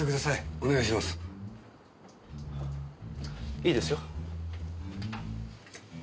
いいですよ。